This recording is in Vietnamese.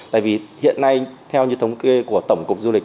tại vì hiện nay theo như thống kê của tổng cục du lịch